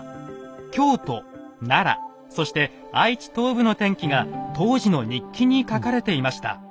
京都奈良そして愛知東部の天気が当時の日記に書かれていました。